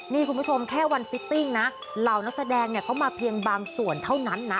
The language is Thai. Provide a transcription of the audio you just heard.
นี่คุณผู้ชมแค่วันฟิตติ้งนะเหล่านักแสดงเนี่ยเขามาเพียงบางส่วนเท่านั้นนะ